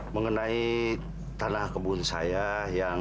mengenai tanah kebun saya yang